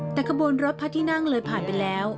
แต่ขบวนรถพระที่นั่งเลยผ่านไปแล้ว